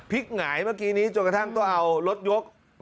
พลิกหงายเป็นเมื่อกี้จนกระทั่งว่าออกรถยกพลิก